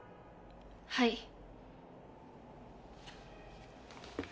はい。